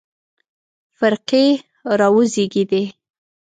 فرقې راوزېږېدې.